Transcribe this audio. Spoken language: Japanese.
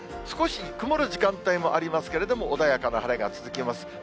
少し曇る時間帯もありますけれども、穏やかな晴れが続きます。